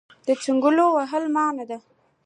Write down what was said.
د ځنګلونو وهل منع دي